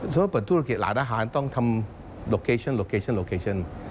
ถ้าเปิดธุรกิจหลานอาหารต้องทำโลเคชั่น